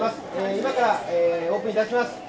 今からオープンいたします。